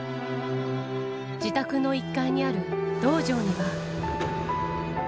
自宅の１階にある道場には。